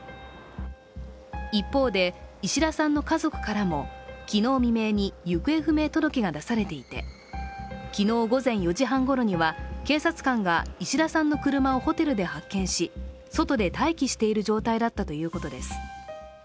一方で、石田さんの家族からも昨日未明に行方不明届が出されていて昨日午前４時半ごろには、警察官が石田さんの車をホテルで発見し、外で待機している状態だったということです。